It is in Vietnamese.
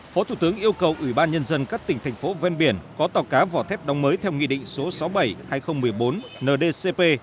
phó thủ tướng yêu cầu ủy ban nhân dân các tỉnh thành phố ven biển có tàu cá vỏ thép đóng mới theo nghị định số sáu mươi bảy hai nghìn một mươi bốn ndcp